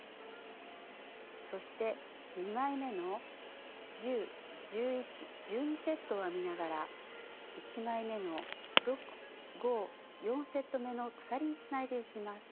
そして２枚めの１０１１１２セットを編みながら１枚めの６５４セットめの鎖につないでいきます。